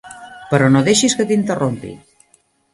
Però no deixis que t'interrompi.